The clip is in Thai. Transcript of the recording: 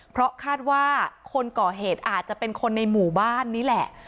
เพราะคาดว่าคนก่อเหตุอาจจะเป็นคนในหมู่บ้านนี่แหละ